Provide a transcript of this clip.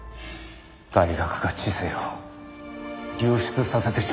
大学が知性を流出させてしまっている。